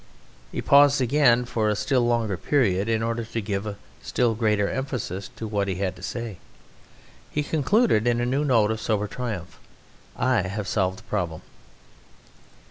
He paused again for a still longer period in order to give still greater emphasis to what he had to say. He concluded in a new note of sober triumph: "I have solved the problem!"